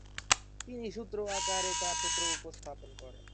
তিনি সূত্র আকারে তাঁর সূত্র উপস্থাপন করেন।